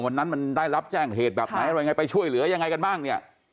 วันนั้นมันได้รับแจ้งเหตุแบบไหนอะไรยังไงไปช่วยเหลือยังไงกันบ้างเนี่ย